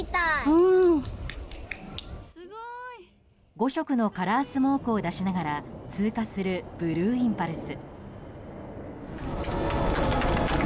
５色のカラースモークを出しながら通過する、ブルーインパルス。